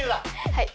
はい。